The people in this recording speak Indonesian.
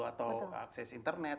atau akses internet